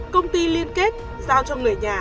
công ty liên kết giao cho người nhà